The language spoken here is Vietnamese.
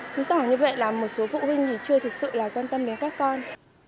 chứng tỏ như vậy là một số phụ huynh thì chưa thực sự là quan tâm đến các con